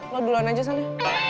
lo duluan aja sana